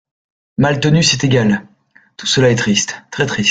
Maltenu C’est égal… tout cela est triste… très triste…